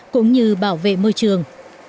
cũng như bảo vệ môi trường